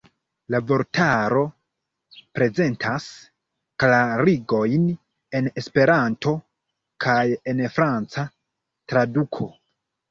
La vortaro prezentas klarigojn en Esperanto kaj en franca traduko.